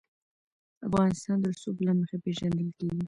افغانستان د رسوب له مخې پېژندل کېږي.